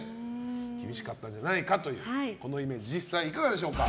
厳しかったんじゃないかというこのイメージ実際いかがでしょうか。